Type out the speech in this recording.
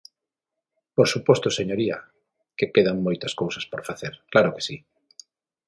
Por suposto, señoría, que quedan moitas cousas por facer, claro que si.